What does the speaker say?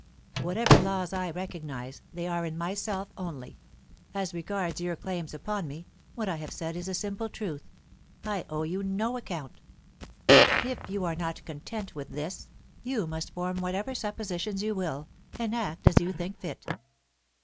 "Whatever laws I recognize, they are in myself only. As regards your claims upon me, what I have said is the simple truth. I owe you no account. If you are not content with this, you must form whatever suppositions you will, and act as you think fit."